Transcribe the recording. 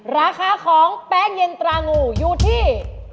ราคาของแป้งเย็นตรางูอยู่ที่